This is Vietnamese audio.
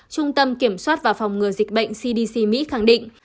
trung tâm kiểm soát và phòng ngừa dịch bệnh cdc mỹ khẳng định